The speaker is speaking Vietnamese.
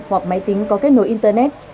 hoặc máy tính có kết nối internet